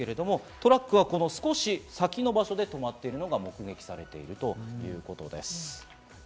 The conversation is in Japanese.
トラックはこの少し先の場所で止まっているのが目撃されているということです。